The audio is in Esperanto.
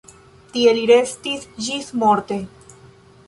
Tie li restis ĝismorte.